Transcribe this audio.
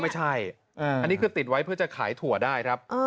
ไม่ใช่อันนี้คือติดไว้เพื่อจะขายถั่วได้ครับ